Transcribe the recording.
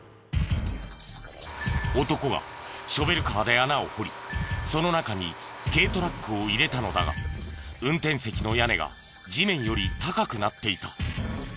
男がショベルカーで穴を掘りその中に軽トラックを入れたのだが運転席の屋根が地面より高くなっていた。